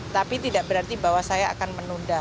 tapi tidak berarti bahwa saya akan menunda